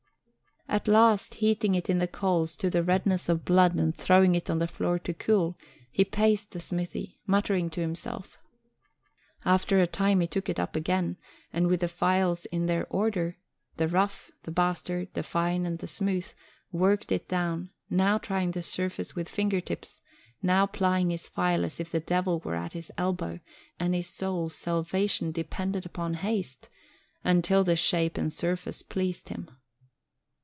At last, heating it in the coals to the redness of blood and throwing it on the floor to cool, he paced the smithy, muttering to himself. After a time he took it up again and with the files in their order the rough, the bastard, the fine and the smooth worked it down, now trying the surface with fingertips, now plying his file as if the Devil were at his elbow and his soul's salvation depended upon haste, until the shape and surface pleased him.